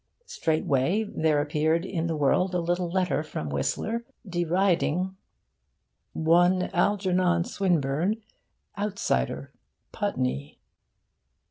Straightway there appeared in the World a little letter from Whistler, deriding 'one Algernon Swinburne outsider Putney.